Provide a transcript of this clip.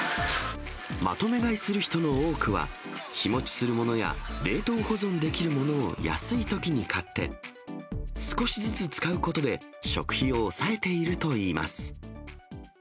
まとめ買いする人の多くは、日もちするものや冷凍保存できるものを安いときに買って、少しずつ使うことで食費を抑えているといいます。